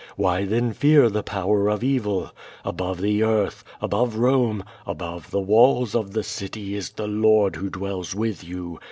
Why then fear the power of evil? Above the earth, above Rome, above the walls of the city is the Lord who dwells with you.